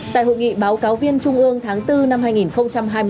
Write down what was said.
tại hội nghị báo cáo viên trung ương tháng bốn năm hai nghìn hai mươi bốn